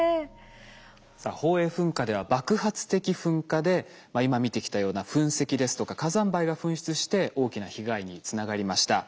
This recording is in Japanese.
さあ宝永噴火では爆発的噴火で今見てきたような噴石ですとか火山灰が噴出して大きな被害につながりました。